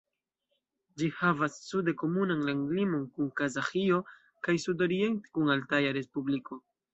Ĝi havas sude komunan landlimon kun Kazaĥio kaj sudoriente kun Altaja Respubliko.